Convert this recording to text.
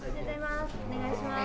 お願いします。